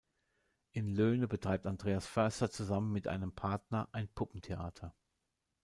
In Löhne betreibt Andreas Förster zusammen mit einem Partner ein Puppentheater.